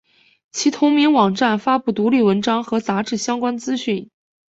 其同名网站发布独立文章和杂志相关资讯。